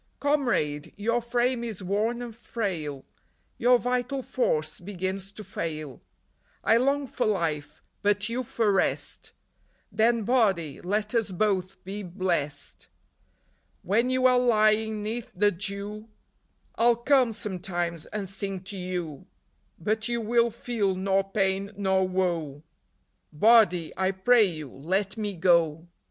" Comrade ! your frame is worn and frail ; Your vital force begins to fail ; I long for life, but you for rest ; Then, Body, let us both be blest. When you are lying 'neath the dew I 'll come, sometimes, and sing to you ; But you will feel nor pain nor woe ; Body, I pray you, let me go !